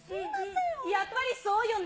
やっぱりそうよね。